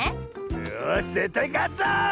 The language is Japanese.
よしぜったいかつぞ！